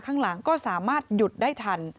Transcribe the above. ข้างหลังก็สามารถหยุดได้ทัน